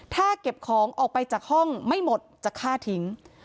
ถ้าเก็บของออกไปจากห้องไม่หมดจะฆ่าทิ้ง